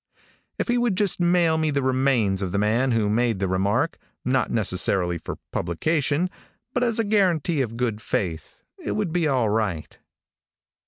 If he would just mail me the remains of the man who made the remark, not necessarily for publication, but as a guarantee of good faith, it would be all right.